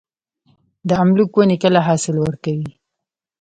د املوک ونې کله حاصل ورکوي؟